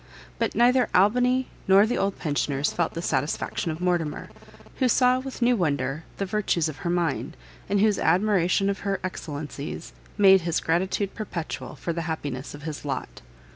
But neither Albany nor the old pensioners felt the satisfaction of Mortimer, who saw with new wonder the virtues of her mind, and whose admiration of her excellencies, made his gratitude perpetual for the happiness of his lot.